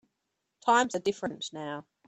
Times are different now.